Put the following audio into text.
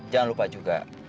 jangan lupa juga